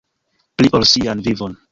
Pli ol sian vivon.